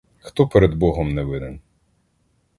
Хто перед богом не винен?